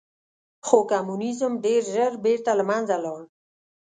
خو کمونیزم ډېر ژر بېرته له منځه لاړ.